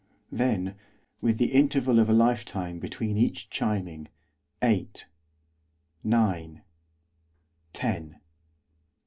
Then, with the interval of a lifetime between each chiming, eight, nine, ten.